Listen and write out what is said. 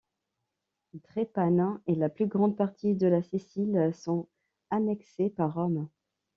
Drépane et la plus grande partie de la Sicile sont annexées par Rome.